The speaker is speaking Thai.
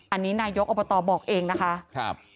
อันนี้นายกอบตบอกเองนะคะ